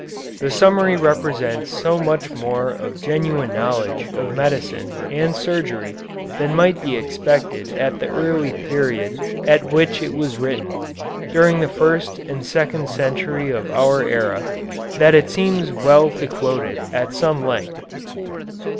The summary represents so much more of genuine knowledge of medicine and surgery than might be expected at the early period at which it was written, during the first and second century of our era, that it seems well to quote it at some length.